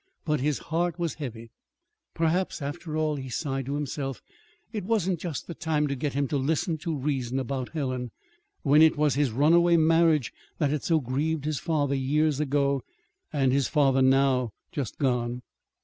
But his heart was heavy. "Perhaps, after all," he sighed to himself, "it wasn't just the time to get him to listen to reason about Helen when it was his runaway marriage that had so grieved his father years ago; and his father now just gone."